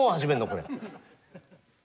これ。